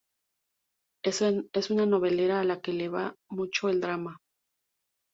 Es una novelera a la que le va mucho el drama